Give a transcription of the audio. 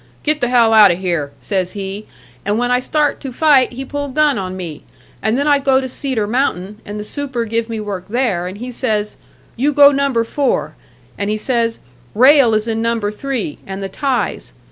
'Get the hell out of here,' says he, and when I started to fight he pull gun on me. And then I go to Cedar Mountain, and the super give me work there, and he says, 'You go Number Four,' and he says, 'Rail is in Number Three, and the ties.'